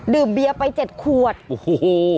ดื่มเบียร์ไป๗ขวดโอ้โหโอ้โห